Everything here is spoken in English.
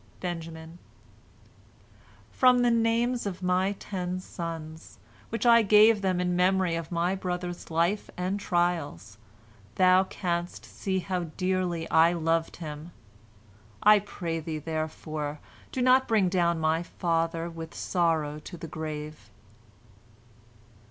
Benjamin: "From the names of my ten sons, which I gave them in memory of my brother's life and trials, thou canst see how dearly I loved him. I pray thee, therefore, do not bring down my father with sorrow to the grave."